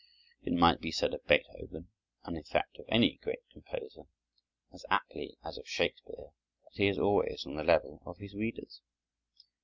It might be said of Beethoven, and in fact of any great composer, as aptly as of Shakespeare, that he is always on the level of his readers.